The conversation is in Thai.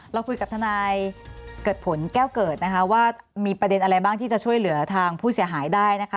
เราคุยกับทนายเกิดผลแก้วเกิดนะคะว่ามีประเด็นอะไรบ้างที่จะช่วยเหลือทางผู้เสียหายได้นะคะ